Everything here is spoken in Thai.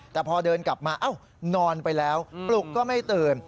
แต่พอเดินกลับมาเอ้านอนไปแล้วปลุกก็ไม่ตื่น